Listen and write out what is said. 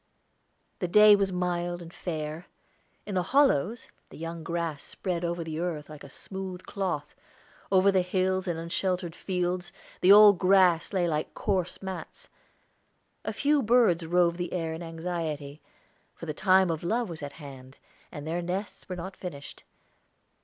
The day was mild and fair; in the hollows, the young grass spread over the earth like a smooth cloth; over the hills and unsheltered fields, the old grass lay like coarse mats. A few birds roved the air in anxiety, for the time of love was at hand, and their nests were not finished.